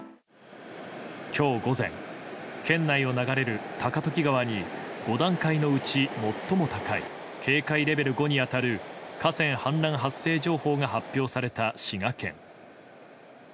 今日午前、県内を流れる高時川に５段階のうち最も高い警戒レベル５に当たる河川氾濫発生情報が発表された滋賀県。